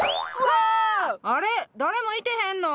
あれ誰もいてへんの？